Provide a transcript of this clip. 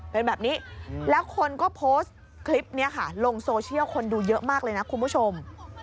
เป็นแบบนี้แล้วคนก็โพสต์คลิปนี้ค่ะลงโซเชียลคนดูเยอะมากเลยนะคุณผู้ชม